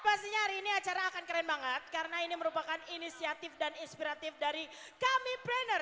pastinya hari ini acara akan keren banget karena ini merupakan inisiatif dan inspiratif dari kami prener